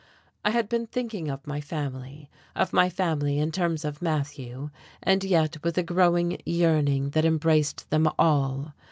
I had been thinking of my family of my family in terms of Matthew and yet with a growing yearning that embraced them all.